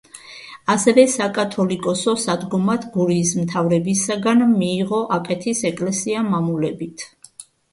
ასევე საკათოლიკოსო სადგომად გურიის მთავრებისაგან მიიღო აკეთის ეკლესია მამულებით.